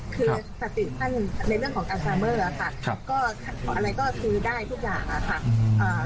คือศัตริย์ขั้นในเรื่องของการทราเมอร์อะไรก็ซื้อได้ทุกอย่าง